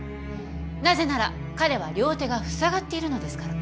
なぜなら彼は両手がふさがっているのですから。